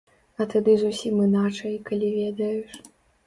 А тады зусім іначай, калі ведаеш.